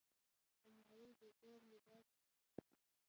الماري د زوړ لباس خزانه ده